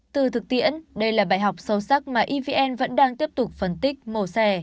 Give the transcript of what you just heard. từ thực tiễn đây là bài học sâu sắc mà evn vẫn đang tiếp tục phân tích mổ xẻ